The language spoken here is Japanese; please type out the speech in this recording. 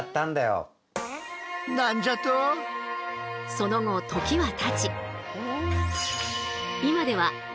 その後時はたち